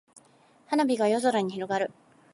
花火が夜空に広がる。